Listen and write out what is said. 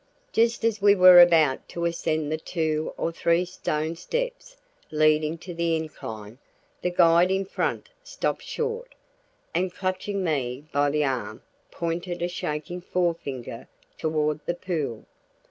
Just as we were about to ascend the two or three stone steps leading to the incline, the guide in front stopped short, and clutching me by the arm pointed a shaking forefinger toward the pool.